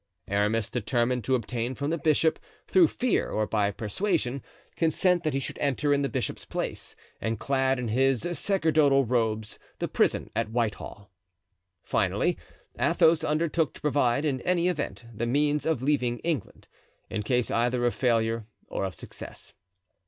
Aramis determined to obtain from the bishop, through fear or by persuasion, consent that he should enter in the bishop's place, and clad in his sacerdotal robes, the prison at Whitehall. Finally, Athos undertook to provide, in any event, the means of leaving England—in case either of failure or of success.